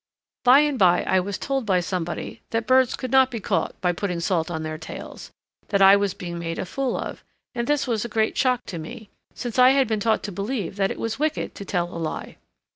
By and by I was told by somebody that birds could not be caught by putting salt on their tails; that I was being made a fool of, and this was a great shock to me, since I had been taught to believe that it was wicked to tell a lie.